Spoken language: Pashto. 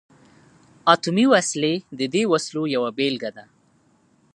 اتمي وسلې د دې وسلو یوه بیلګه ده.